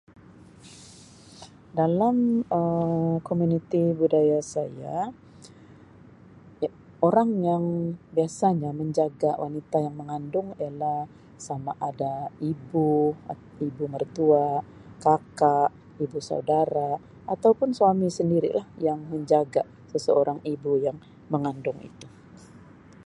Dalam komuniti Um budaya saya, orang yang biasanya menjaga wanita yang mengandung ialah sama ada ibu, ibu mertua, kakak, ibu saudara atau pun suami sendiri lah yang menjaga seseorang ibu yang mengandung itu.